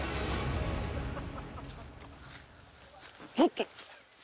ちょっと。